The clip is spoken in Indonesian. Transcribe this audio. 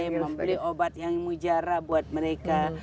membeli obat yang mujara buat mereka